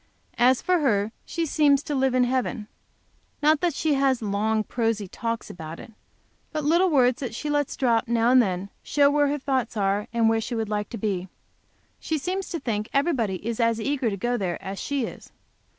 As for her, she seems to live in heaven. Not that she has long prosy talks about it, but little words that she lets drop now and then show where her thoughts are, and where she would like to be. She seems to think everybody is as eager to go there as she is.